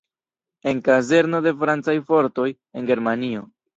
En kazerno de francaj fortoj, en Germanio.